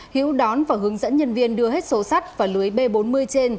hữu đón và hướng dẫn nhân viên đưa hết số sắt và lưới b bốn mươi trên